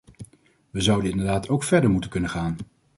We zouden inderdaad ook verder moeten kunnen gaan.